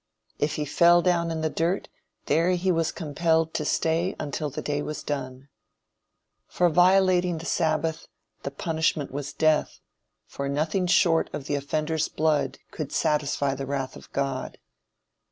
"If he fell down in the dirt, there he was compelled to stay until the day was done." For violating the sabbath, the punishment was death, for nothing short of the offender's blood could satisfy the wrath of God.